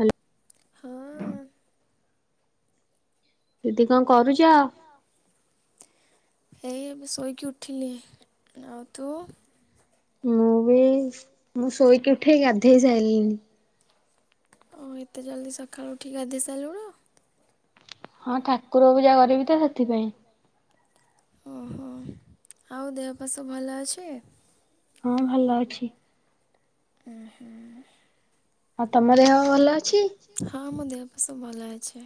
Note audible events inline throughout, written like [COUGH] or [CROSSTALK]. ହାଲ୍ ହଁ। ଦିଦି କଁ କରୁଚ? ଏଇ ଏବେ ଶୋଇକି ଉଠିଲି। ଆଉ ତୁ? ମୁଁ ବି ଏଇ ମୁଁ ଶୋଇକି ଉଠି ଗାଧେଇ ସାଇଲିଣିି। ଓ ଏତେ ଜଲ୍ଦି ସଖାଳୁ ଉଠି ଗାଧେଇ ସାରଲୁଣୁ। ହଁ ଠାକୁର ପୂଜା କରିବି ତ ସେଥିପାଇଁ। ଓହୋ ଆଉ ଦେହ ଫେଅ ସବୁ ଭଲ ଅଛି? ହଁ ଭଲ ଅଛି। ଉଁ ହୁଁ। ଆଉ ତମ ଦେହ ଭଲ ଅଛି? ଏବେ ସବୁ ଭଲ ଅଛି।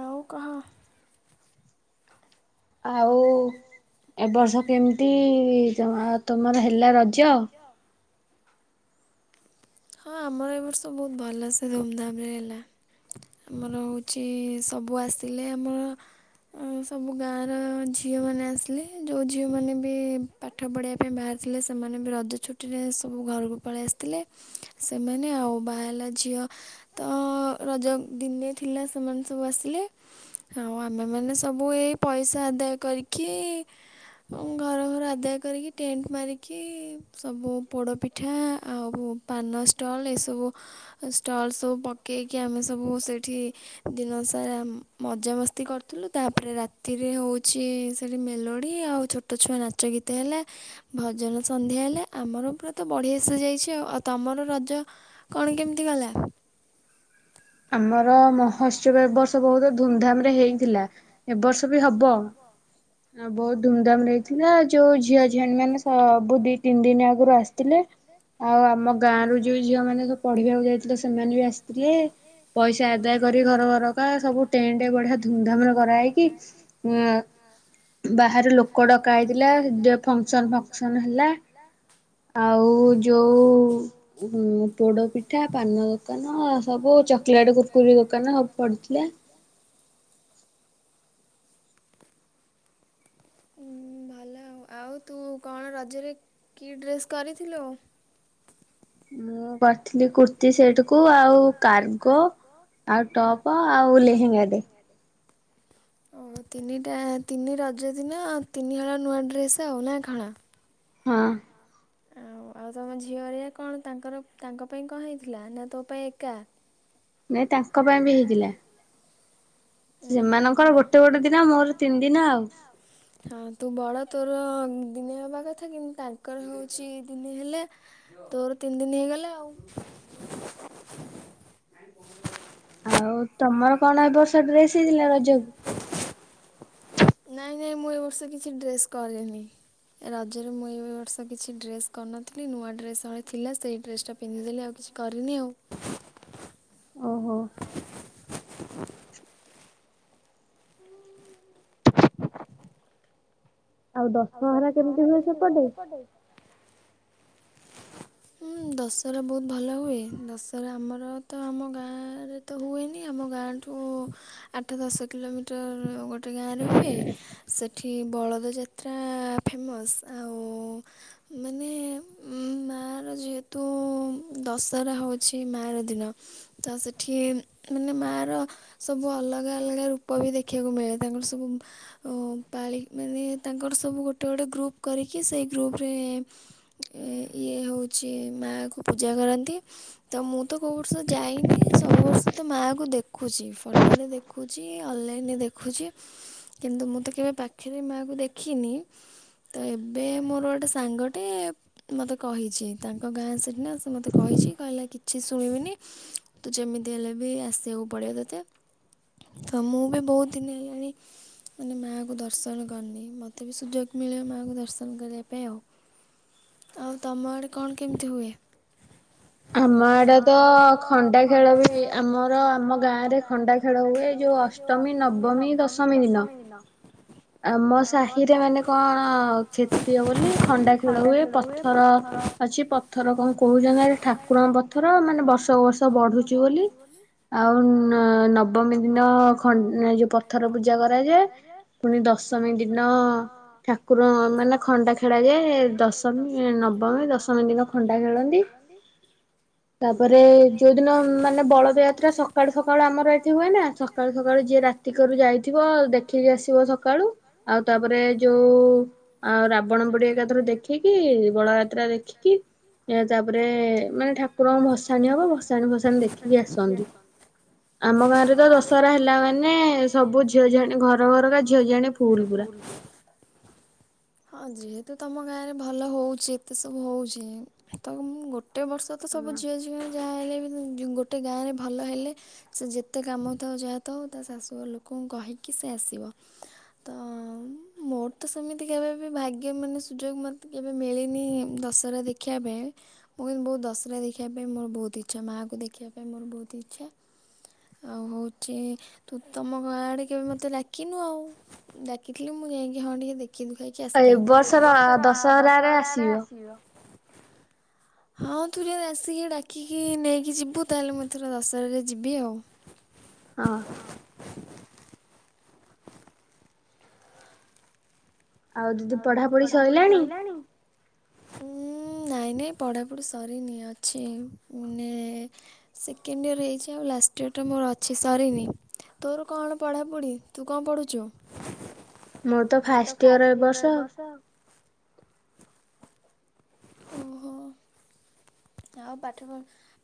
ଆଉ କହ। ଆଉ ଏ ବର୍ଷ କେମିତି ତମ ତମର ହେଲା ରଜ? ହଁ ଆମର ଏ ବର୍ଷ ବହୁତ ଭଲ ସେ ଧୁମଧାମରେ ହେଲା ଆମର ହଉଛି ସବୁ ଆସିଲେ ଆମର ସବୁ ଗାଁର ଝିଅମାନେ ଆସିଲେ ଯେଉଁ ଝିଅମାନେ ବି ପାଠ ପଢ଼ିବା ପାଇଁ ବାହାରିଥିଲେ ସେମାନେ ବି ରଜ ଛୁଟିରେ ସବୁ ଘରକୁ ପଳେଇ ଆସିଥିଲେ। ସେମାନେ ଆଉ ବାହା ହେଲା ଝିଅ ତ ରଜ ଦିନେ ଥିଲା ସେମାନେ ସବୁ ଆସିଲେ ଆଉ ଆମେମାନେ ସବୁ ଏଇ ପଇସା ଆଦାୟ କରିକି ଘର ଘର ଆଦାୟ କରିକି ଟେଣ୍ଟ ମାରିକି ସବୁ ପୋଡ଼ପିଠା ଆଉ ପାନ। ଷ୍ଟଲ୍ ଏସବୁ ଷ୍ଟଲ୍ ସବୁ ପକେଇକି ଆମେ ସବୁ ସେଇଠି ଦିନସାରା ମଜାମସ୍ତି କରୁଥିଲୁ ତାପରେ ରାତିରେ ହଉଛି ସେଇଠି ମେଲୋଡ଼ି ଆଉ ଛୋଟ ଛୁଆ ନାଚ ଗୀତ ହେଲା ଭଜନ ସନ୍ଧ୍ୟା ହେଲା ଆମର ପୁରା ତ ବଢ଼ିଆ ସେ ଯାଇଛି ଆ ଆଉ ତମର। ରଜ କଣ କେମିତି ଗଲା। ଆମର ମହୋତ୍ସବ ଏ ବର୍ଷ ବହୁତ ଧୁମଧାମ ରେ ହେଇଥିଲା। ଏ ବର୍ଷ ବି ହବ। ଆଁ ବହୁତ ଧୁମଧାମ ରେ ହେଇଥିଲା। ଯୋଉ ଝିଅ ଝିଆଣୀ ମାନେ ସବୁ ଦିଇ ତିନି ଦିନ ଆଗରୁ ଆସିଥିଲେ ଆଉ ଆମ ଗାଁ ରୁ ଯୋଉ ଝିଅ ମାନେ ସବୁ ପଢିବାକୁ ଯାଇଥିଲେ ସେମାନେ ବି ଆସିଥିଲେ। ପଇସା ଆଦାୟ କରି ଘର ଘରକା ସବୁ ଟେଣ୍ଟ ବଢିଆ ଧୁମଧାମ ରେ କରାହେଇକି ଉ ବାହାରେ ଲୋକ ଡକା ହେଇଥିଲା ଯୋଉ ଫଙ୍କସନ ଫଙ୍କସନ ହେଲା ଆଉ ଯୋଉ ପୋଡ ପିଠା ପାନ ଦୋକାନ ସବୁ। କିଆଡେ ଯୋଉ ସ୍କୁଲ ଦୋକାନ ନା ହବ ପଡ଼ୁଥିଲା ଉଁ ଭଲ ଆଉ ଆଉ ତୁ କଣ ରଜରେ କି ଡ୍ରେସ୍ କରିଥିଲୁ ମୁଁ କରିଥିଲି କୁର୍ତ୍ତିୀ ସେଠ କୁ ଆଉ କାର୍ଗୋ ଆଉ ଟପ୍ ଆଉ ଲେହେଙ୍ଗା ଟେ ଓ ତିନିଟା ତିନି ରଜ ଦିନ ତିନି ହଳ ନୂଆ ଡ୍ରେସ୍ ଆଉ ନା ଖଣା ହଁ ଆଉ ଆଉ ତମ ଝିଅହେରିଆ କଣ ତାଙ୍କର ତାଙ୍କ ପାଇଁ କଣ ହେଇଥିଲା ନା ତୋ ପାଇଁ ଏକା ନାଇ ତାଙ୍କ ପାଇଁ ବି ହେଇଥିଲା ସେମାନଙ୍କର ଗୋଟେ ଗୋଟେ ଦିନ ମୋର ତିନି ଦିନ ଆଉ ତୋର ଦିନେ ହବା କଥା କିନ୍ତୁ ତାଙ୍କର ହଉଚି ଦିନେ ହେଲା ତୋର ତିନି ଦିନି ହେଇଗଲା ଆଉ ଆଉ ତମର ପଣ ଏ ବର୍ଷ ଡ୍ରେସ ହେଇଥିଲା ରଜକୁ ନାଇଁ ନାଇଁ ମୁଁ ଏ ବର୍ଷ କିଛି ଡ୍ରେସ କରିନି ରଜରେ ମୁଁ ଏ ବର୍ଷ କିଛି ଡ୍ରେସ କରିନଥିଲି ନୂଆ ଡ୍ରେସ ହଳେ ଥିଲା ସେଇ ଡ୍ରେସ ଟା ପିନ୍ଧିଦେଲି ଆଉ କିଛି କରିନି ଆଉ ଆଉ ଦଶହରା କେମିତି ହୁଏ ସେପଟେ ହୁଁ ଦଶହରା ବହୁତ ଭଲ ହୁଏ ଦଶହରା ଆମର ତ ଆମ ଗାଁ ରେ ତ ହୁଏନି ଆମ ଗାଁ ଠୁ ଆଠ ଦଶ କିଲୋମିଟର ଗୋଟେ ଗାଁ ରେ ହୁଏ ସେଠି ବଳଦ ଯା ତ୍ରା ଫେମସ୍ ଆଉ ମାନେ ମା ର ଯେହେତୁ ଦଶହରା ହେଉଛି ମା ର ଦିନ ତ ସେଠି ମାନେ ମା ର ସବୁ ଅଲଗା ଅଲଗା ରୂପ ବି ଦେଖିବାକୁ ମିଳେ ତାଙ୍କର ସବୁ ପାଳି ମାନେ ତାଙ୍କର ସବୁ ଗୋଟେ ଗୋଟେ ଗ୍ରୁପ୍ କରିକି ସେଇ ଗ୍ରୁପ୍ ରେ ଇଏ ହଉଚି ମା କୁ ପୂଜା କରନ୍ତି ତ ମୁଁ ତ କଉ ବର୍ଷ ଯାଇନି ସବୁ ବର୍ଷ ତ ମାଆକୁ ଦେଖୁଚି ଫଟୋରେ ଦେଖୁଚି ଅନଲାଇନରେ ଦେଖୁଚି କିନ୍ତୁ ମୁଁ ତ କେବେ ପାଖରେ ମାଆକୁ ଦେ ଖିନି ତ ଏବେ ମୋର ଗୋଟେ ସାଙ୍ଗଟେ ମତେ କହିଚି ତାଙ୍କ ଗାଁ ସେଠି ନା ସେ ମତେ କହିଚି କହିଲା କି ଛି ଶୁଣିବିନି ତୁ ଯେମିତି ହେଲେ ବି ଆସିବାକୁ ପଡ଼ିଅ ତତେ ତ ମୁଁ ବି ବହୁତ ଦିନି ହେଲାଣି ମାନେ ମା ଙ୍କୁ ଦର୍ଶନ କରନି ମ ତେ ବି ସୁଯୋଗ ମିଳେ ମା ଙ୍କୁ ଦର୍ଶନ କରିବା ପାଇଁ ଆଉ ଆଉ ତମ ଆଡ଼େ କଣ କେମିତି ହୁଏ ଆମ ଆଡେ ତ ଖଣ୍ଡା ଖେଳ ବି ଆମର ଆମ ଗାଁରେ ଖଣ୍ଡା ଖେଳ ହୁଏ ଯୋଉ ଅଷ୍ଟମୀ ନବମୀ ଦଶମୀ ଦିନ ଆମ ସାହି କଣ କ୍ଷତ୍ରୀିୟ ବୋଲି ଖଣ୍ଡା ଖେଳ ହୁଏ ପଥର ଅଛି ପଥର କଣ କହୁଛନ୍ତି ଆରେ ଠାକୁରଙ୍କ ପଥର ମାନେ ବର୍ଷ ବର୍ଷ ବଢୁଛି ବୋଲି ଆଉ ନବମୀ ଦିନ ଖ ଯୋଉ ପଥର ପୂଜା କରାଯାଏ ପୁଣି ଦଶମୀ ଦିନ ହଁ ଠାକୁର ମାନେ ଖଣ୍ଡା ଖେଳାଯାଏ ଦଶମୀ ନବମୀ ଦଶମୀ ଦିନ ଖଣ୍ଡା ଖେଳନ୍ତି ତାପରେ ଯୋଉଦିନ ମାନେ ବଳଦ ଯାତ୍ରା ସଖାଳୁ ସଖାଳୁ ଆମର ଏଠି ହୁଏ ନା ସକାଳୁ ସକାଳୁ ଯିଏ ରାତି କରୁ ଯାଇଥିବ ଦେ ଥିବ ସକାଳୁ ଆଉ ତା ତାପରେ ଯୋଉ ଆଉ ରାବଣ ପୋଡି ଏକାଥରେ ଦେଖିକି ବଳଯାତ୍ରା ଦେଖିକି ତାପରେ ମାନେ ଠାକୁରଙ୍କ ଭସାଣିୀ ହବ ଭସାଣିୀ ଭସାଣିୀ ଦେଖିକି ଆସନ୍ତି ଆମ ଗାଁ ରେ ତ ଦଶହରା ହେଲା ମାନେ ସବୁ ଝିଅ ଜୁଆଣି ଘର ଘରକା ଝିଅ ଜିଆଣେ ଫୁଲ୍ ପୁ ଫୁଲ୍ ହଁ ଯେହେତୁ ତମ ଗାଁରେ ଭଲ ହଉଚି ଏତେ ସବୁ ହଉଚି ତ ମୁଁ ଗୋ ଟେ ବର୍ଷ ତ ସବୁ ଝିଅ ଜ୍ବାଇଁ ଯାହା ହେଲେ ବି ଗୋଟେ ଗାଁରେ ଭଲ ହେଲେ ସେ ଯେତେ କାମ ଥାଉ ଯାହା ଥାଉ ତା ଶାଶୁ ଲୋକଙ୍କୁ କହିକି ସେ ଆସିବ ତ- ହଁ ମୋର ତ ସେମିତି କେବେ ବି ଭାଗ୍ୟ ମାନେ ସୁଯୋଗ ମୋତେ କେବେ ମିଳିନି ଦଶହରା ଦେଖିବା ପାଇଁ, ମୁଁ କିନ୍ତୁ ବହୁତ ଦଶହରା ଦେଖିବା ପାଇଁ ମୋର ବହୁତ ଇଚ୍ଛା ମାଆକୁ ଦେଖିବା ପାଇଁ ମୋର ବହୁତ ଇଚ୍ଛା, ଆଉ ହେଉଛି ତୁ ତମ ଗାଁ ଆଡ଼େ କେବେ ମୋତେ ଡାକିନୁ ଆଉ। ଡାକିଥିଲେ ମୁଁ ଯାଇକି ହଁ ଟିକେ ଦେଖି ଦେଖି ଦୁଖାକି ଆସିଥାନ୍ତି ଏ ବର୍ଷ ର ଦଶହରାରେ ଆସିବ। ହଁ ଥରେ ଆସିକି ଡାକିକି ନେଇକି ଯିବୁ ତାହେଲେ ମୁଁ ଏଥର ଦଶହରାରେ ଯିବି ଆଉ। [INAUDIBLE] ଆଉ ଦିଦି ପଢାପଢି ସଇଲାଣି? ଉ ନାଇଁ ନାଇଁ ପଢ଼ାପଢ଼ି ସରିନି ଅଛି, ଆଉ ମାନେ ସେକେଣ୍ଡ ଇୟର ହେଇଛି ଆଉ ଲାଷ୍ଟ ଇୟରଟା ମୋର ଅଛି ଯେ ସରିନି ତୋର କଣ ପଢ଼ାପଢ଼ି ତୁ କଣ ପଢ଼ୁଚୁ? ମୋର ତ ଫାଷ୍ଟ ଇୟର କ୍ଲିୟର ଏ ବର୍ଷ ଓ ହୋ। ଆଉ ପାଠ ଫା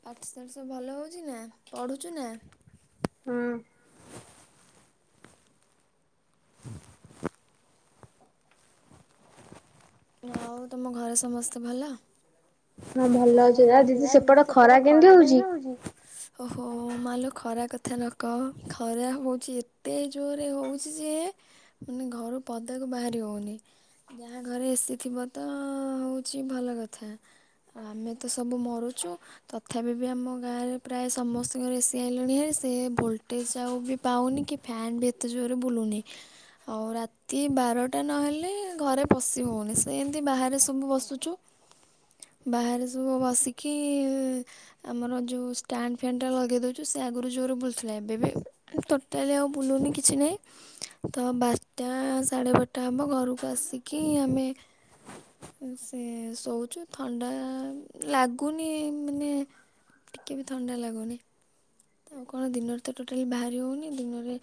ପାଠ ସାଠ ସବୁ ଭଲ ହେଉଛି ନା ପଢ଼ୁଛୁ ନା? ହଁ। [INAUDIBLE] ଆଉ ତମ ଘରେ ସମସ୍ତେ ଭଲ? ହଁ ଭଲ ଅଛି ଆଉ ଦିଦି ସେପଟେ ଖରା କେମିତି ହଉଛି। ଓହୋ ମାଲ ଖରା କଥା ନ କହ ଖରା ହେଉଛି ଏତେ ଜୋରରେ ହେଉଛି ଯେ ମାନେ ଘରୁ ପଦାକୁ ବାହାରି ହେଉନି ଯାହା ଘରେ ଏସି ସେ ଥିବ ତ ହେଉଛି ଭଲ କଥା ଆମେ ତ ସବୁ ମରୁଛୁ ତଥାପି ବି ଆମ ଗାଁରେ ପ୍ରାୟ ସମସ୍ତଙ୍କର ଏସି ଆଇଲଣି ହେ ସେ ଭୋଲ୍ଟେଜ ଆଉ ବି ପାଉନି କି ଫ୍ୟାନ୍ ବି ଏତେ ଜୋରରେ ବୁଲୁନି ଆଉ ରାତି ବାରଟା ନହେଲେ ଘରେ ପଶି ହେଉନି ସେ ଏମିତି ବାହାରେ ସବୁ ବସୁଛୁ ବାହାରେ ସବୁ ବସିକି ଆମର ଯେଉଁ ଷ୍ଟାଣ୍ଡ ଫ୍ୟାଣ୍ଡଟା ଲଗେଇ ଦେଉଛୁ ସେ ଆଗରୁ ଜୋରୁ ବୁଲୁଥିଲା ଏବେ ବି ଟୋଟାଲି ଆଉ ବୁଲୁନି କିଛି ନାହିଁ ତ ବାରଟା ସାଢ଼େ ବାରଟା ହେବ ଘରକୁ ଆସିକି ଆମେ ସେ ଶୋଉଛୁ ଥଣ୍ଡା ଲାଗୁନି ମାନେ ଟିକେ ବି ଥଣ୍ଡା ଲାଗୁନି। ଆଉ କଣ ଦିନରେ ତ ଟୋଟାଲି ବାହାରି ହେଉନି ଦିନରେ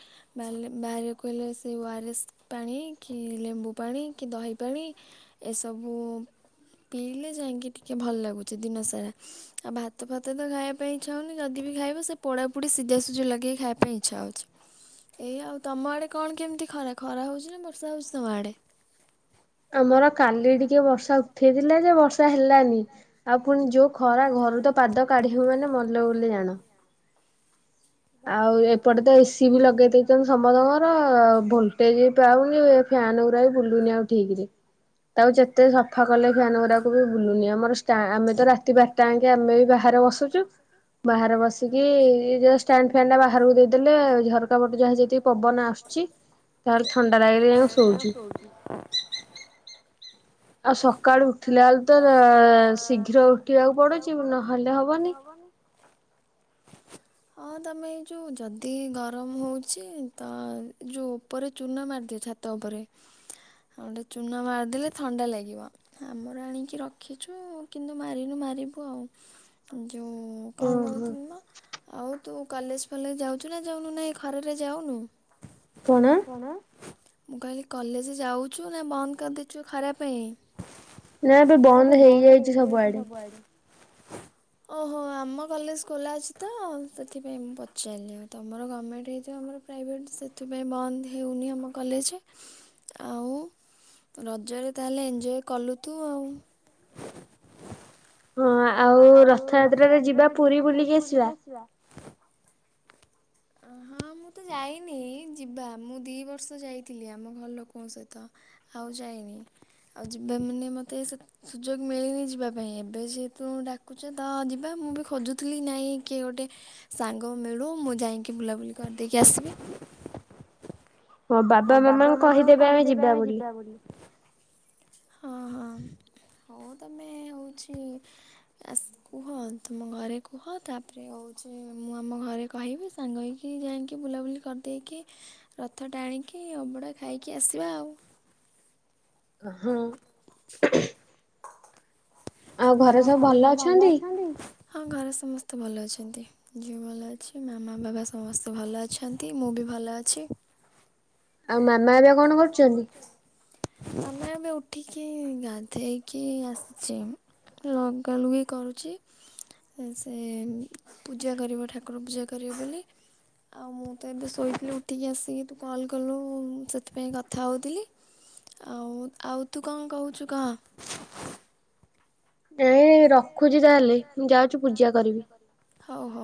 ବାହାରିବାକୁ ହେଲେ ସେ ଓ ଆର୍ଏସ୍ ପାଣି କି ଲେମ୍ବୁ ପାଣି କି ଦହି ପାଣି ଏସବୁ ପିଇଲେ ଯାଇକି ଟିକେ ଭଲ ଲାଗୁଛି ଦିନ ସାରା ଆଉ ଭାତ ଫାତ ତ ଖାଇବା ପାଇଁ ଇଚ୍ଛା ହଉନି ଯଦି ବି ଖାଇବ ସେ ପୋଡ଼ାପୋଡ଼ି ସିଝାସଝା ଲଗେଇକି ଖାଇବା ପାଇଁ ଇଚ୍ଛା ହେଉଛି ଏଇ ଆଉ ତମ ଆଡ଼େ କଣ କେମିତି ଖରା ଖରା ହେଉଛି ନା ବର୍ଷା ହେଉଛି ତମ ଆଡ଼େ। ଆମର କାଲି ଟିକେ ବର୍ଷା ହେଇଥିଲା ଯେ ବର୍ଷ ହେଲାନି ଆପୁଣି ଯୋଉ ଖରା ଘରୁ ତ ପାଦ କାଢି ହୁଏନି ମଲେ ବୋଲି ଜାଣ। ଆଉ ଏ ଏପଟେ ତ ଏସି ବି ଲଗେଇ ଦେଇଥାନ୍ତ ସମସ୍ତଙ୍କର ଭୋଲଟେଜ ବି ପାଉନି ଫ୍ୟନ୍ ଗୁଡା ବି ବୁଲୁନି ଆଉ ଠିକରେ ତାକୁ ଯେତେ ସଫା କଲେ ଫ୍ୟନ୍ ଗୁଡାକୁ ବି ବୁଲୁନି ଆମର ଆମେ ତ ରାତି ବାରଟାଙ୍କେ ଆମେ ବି ବାହାରେ ବସୁଛୁ ବାହାରେ ବସିକି ଷ୍ଟଣ୍ଡ ଫନ୍ ବାହାରକୁ ଦେଇଲେ ଝରକା ପଟେ ଯାହା ଯଦି ପବନ ଆସୁଛି ତାହେଲେ ଥଣ୍ଡା ଲାଗିଲେ ଯ ଶୋଉଛୁ ଆଉ ସକାଳୁ ଉଠିଲେ ବେଲେ ତ ଶୀଘ୍ର ଉଠିବାକୁ ପଡୁଛି ନହେଲେ ହବନି ହଁ ତମେ ଏଇ ଯୋଉ ଯ ଏତେ ଗରମ ହେଉଛି ତ ଯେଉଁ ଉପରେ ଚୂନା ମାରିଦିଅ ଛାତ ଉପରେ ଆଉ ଗୋଟେ ଚୂନା ମାରିଦେଲେ ଥଣ୍ଡା ଲାଗିବ ଆମର ଆଣିକି ରଖିଛୁ କିନ୍ତୁ ମାରିନୁ ମାରିବୁ ଆଉ ଯଉ କଣ କହୁଥିଲ ନା ଆଉ ତୁ କଲେଜ ଫଲେଜ ଯାଉ ଚୁନା ଯାଉନୁ ନାହିଁ ଘରରେ ଯାଉନୁ କଣ ମୁଁ କହିଲି କଲେଜ ଯାଉଛୁ ନା ବନ୍ଦ କରିଦେଇଛୁ ଖରା ପାଇଁ। ନା ଏବେ ବନ୍ଦ ହେଇଯାଇଛି ସବୁଆଡେ। ଓହୋ ଆମ କଲେଜ ଖୋଲା ଅଛି ତ ସେଥିପାଇଁ ମୁଁ ପଚାରିଲି ଆଉ। ତମର ଗଭର୍ଣ୍ଣମେଣ୍ଟ ହେଇଥିବ ଆମର ପ୍ରାଇଭେଟ୍ ସେଥିପାଇଁ ବନ୍ଦ ହେଉନି ଆମ କଲେଜ। ଆଉ ରଜରେ ତାହେଲେ ଏଞ୍ଜୟ କଲୁ ତୁ ଆଉ। ହଁ। ଆଉ ରଥଯାତ୍ରାରେ ଯିବା ପୁରୀ ବୁଲିକି ଆସିବା। ହଁ ମୁଁ ତ ଯାଇନି ଯିବା। ମୁଁ ଦି ବର୍ଷ ଯାଇଥିଲି ଆମ ଘର ଲୋକଙ୍କ ସହିତ ଆଉ ଯାଇନି ଆଉ ଯିବା ମାନେ ମତେ ସୁଯୋଗ ମିଳିନି ଯିବା ପାଇଁ ଏବେ ସେ ତୁ ଡାକୁଛ ତ ଯିବା ମୁଁ ବି ଖୋଜୁଥିଲି ନାଇଁ କିଏ ଗୋଟେ ସାଙ୍ଗ ମିଳୁ ମୁଁ ଯାଇକି ବୁଲାବୁଲି କରିଦେଇକି ଆସିବି। ହଁ ବାବା ମାମାଙ୍କୁ କହିଦେବେ ଆମେ ଯିବା ବୋଲି। ହଁ ହଁ ହଉ ତମେ ହେଉଛି କୁହ ତୁମ ଘରେ କୁହ ତାପରେ କଣ ହେଉଛି। ମୁଁ ଆମ ଘରେ କହିବି ସାଙ୍ଗ ହେଇକି ଯାଇକି ବୁଲାବୁଲି କରିଦେଇକି ରଥ ଟାଣିକି ଅବଡ଼ା ଖାଇକି ଆସିବା ଆଉ। ହଁ। [INAUDIBLE] ଆଉ ଘରେ ସବୁ ଭଲ ଅଛନ୍ତି। ହଁ ଘରେ ସମସ୍ତେ ମତେ ଭଲ ଅଛନ୍ତି। ଝିଅ ଭଲ ଅଛି ମାମା ବାପ ସମସ୍ତେ ଭଲ ଅଛନ୍ତି। ମୁଁ ବି ଭଲ ଅଛି। ଆଉ ମାମା ଏବେ କଣ କରୁଛନ୍ତି। ଆମେ ଏବେ ଉଠିକି ଗାଧୋଇକି ଆସିଛି। ଲଗା ଲଗି କରୁଛି। ସେ ପୂଜା କରିବ ଠାକୁର ପୂଜା କରିବ ବୋଲି। ଆଉ ମୁଁ ତ ଏବେ ଶୋଇଥିଲି ଉଠିକି ଆସିକି ତୁ କଲ୍ କଲୁ ସେଥିପାଇଁ କଥା ହେଉଥିଲି। ଆଉ ଆଉ ତୁ କଣ କହୁଛୁ କହ। ଏ ରଖ ଖୋଜି ତାହେଲେ ମୁଁ ଯାଉଛିୁ ପୂଜା କରିବି। ହଉ ହଉ।